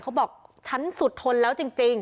เขาบอกฉันสุดทนแล้วจริง